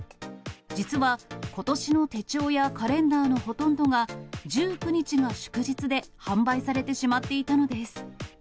実はことしの手帳やカレンダーのほとんどが、１９日が祝日で販売されてしまっていたのです。